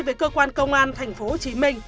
với cơ quan công an tp hcm